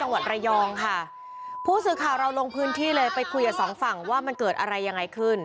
จังหวัดระยองค่ะผู้สื่อข่าวเราลงพื้นที่เลยไปคุยกับสองฝั่งว่ามันเกิดอะไรยังไงขึ้น